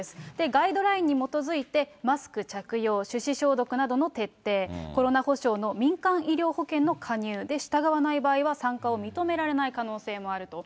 ガイドラインに基づいて、マスク着用、手指消毒などの徹底、コロナ補償の民間医療保険の加入、従わない場合は参加を認められない可能性もあると。